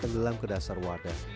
mengelelam ke dasar wadah